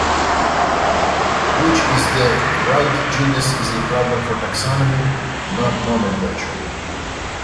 Which is the 'right' genus is a problem for taxonomy, not nomenclature.